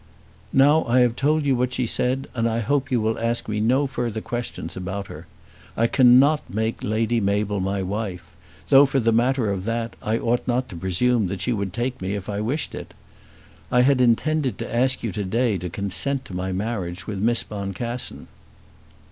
"Now I have told you what she said, and I hope you will ask me no further questions about her. I cannot make Lady Mabel my wife; though, for the matter of that, I ought not to presume that she would take me if I wished it. I had intended to ask you to day to consent to my marriage with Miss Boncassen."